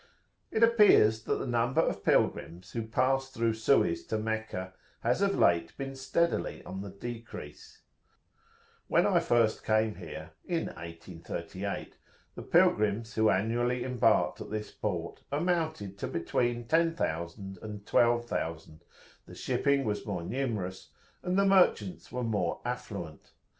"It appears that the number of pilgrims who pass through Suez to Meccah has of late been steadily on the decrease. When I first came here (in 1838) the pilgrims who annually embarked at this port amounted to between 10,000 and 12,000, the shipping was more numerous, and the merchants were more affluent.